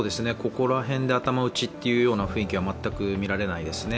ここら辺で頭打ちという雰囲気は全く見られないですね。